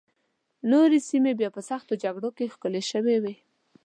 نورې سیمې بیا په سختو جګړو کې ښکېلې شوې وې.